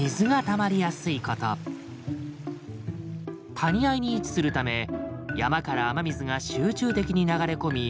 谷間に位置するため山から雨水が集中的に流れ込み